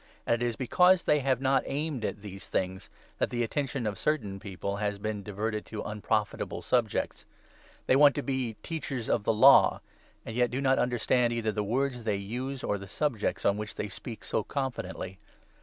And it is because they have not aimed at these 6 things that the attention of certain people has been diverted to unprofitable subjects. They want to be Teachers of the Law, 7 and yet do not understand either the words they use, or the subjects on which they speak so confidently.